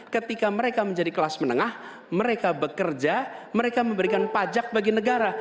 ketika mereka menjadi kelas menengah mereka bekerja mereka memberikan pajak bagi negara